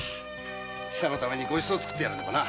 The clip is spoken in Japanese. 千佐のため御馳走を作ってやらねばな。